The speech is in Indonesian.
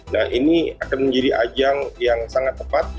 nah ini akan menjadi ajang yang sangat tepat